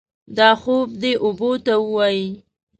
دا خوب دې اوبو ته ووايي.